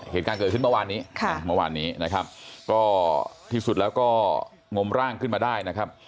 เห็นการเกิดขึ้นเมื่อวานนี้ที่สุดแล้วก็งมร่างขึ้นมาได้นะครับ